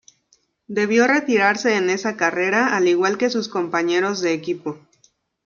Debió retirarse en esa carrera al igual que sus compañeros de equipo.